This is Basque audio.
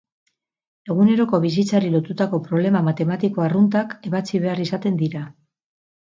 Eguneroko bizitzari lotutako problema matematiko arruntak ebatzi behar izaten dira.